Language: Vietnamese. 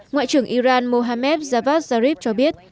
ngoại trưởng iran mohamed javad zarif cho biết